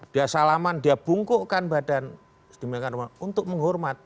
dia salaman dia bungkukan badan sedemikian rumah untuk menghormat